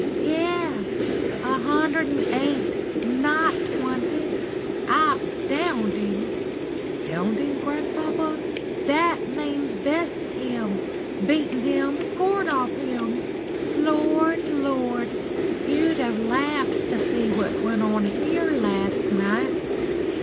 Yes. A hundred and eight, not twenty. I've downed him." "Downed him, grandpapa?" "That means bested him, beaten him, scored off him. Lord! Lord! You'd have laughed to see what went on here last night.